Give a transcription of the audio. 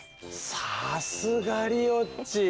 さすがリオッチ！